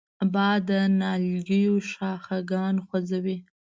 باد د نیالګیو شاخهګان خوځوي